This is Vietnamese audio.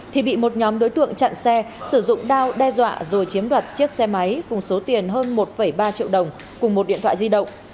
thì bị một nhóm đối tượng chặn xe sử dụng đao đe dọa rồi chiếm đoạt chiếc xe máy cùng số tiền hơn một ba triệu đồng cùng một điện thoại di động